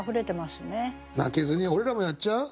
負けずに俺らもやっちゃう？